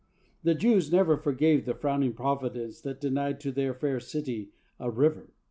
The Jews never forgave the frowning Providence that denied to their fair city a river.